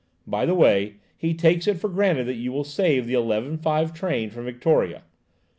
By the way, he takes it for granted that you will save the 11.5 train from Victoria.